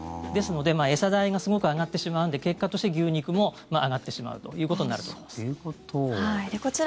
ですので餌代がすごく上がってしまうので結果として牛肉も上がってしまうということになると思います。